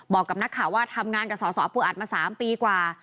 บอกกับนักข่าวว่าทำงานกับสสปูอัดมา๓ปีกว่า